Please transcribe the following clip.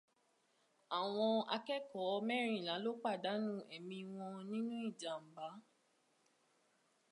Àwọn akẹ́kọ̀ọ́ mẹ́rìnlà ló pàdánù ẹ̀mí wọn nínú ìjàm̀bá